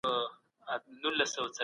د ګلو كر نه دى چي څوك يې پټ كړي